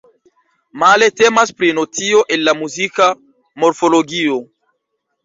Male temas pri nocio el la muzika morfologio.